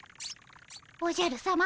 おじゃるさま